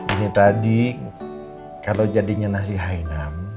ini tadi kalau jadinya nasi hainan